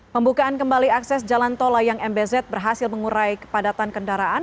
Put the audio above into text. pembukaan kembali akses jalan tol layang mbz berhasil mengurai kepadatan kendaraan